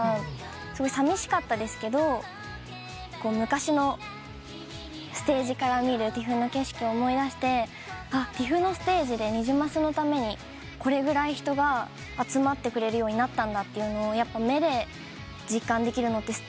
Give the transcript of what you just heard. すごいさみしかったですけど昔のステージから見るＴＩＦの景色を思い出してＴＩＦのステージでニジマスのためにこれぐらい人が集まってくれるようになったんだというのを目で実感できるのってステージだったので。